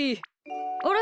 あれ？